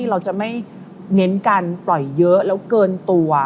เราจะไม่เน้นการปล่อยเยอะแล้วเกินตัว